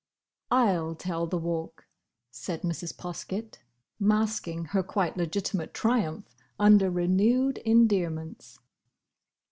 "I 'll tell the Walk!" said Mrs. Poskett, masking her quite legitimate triumph under renewed endearments.